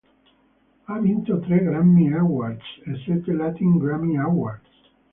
Ha vinto tre Grammy Awards e sette Latin Grammy Awards.